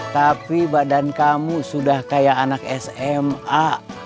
tapi badan kamu sudah kayak anak sma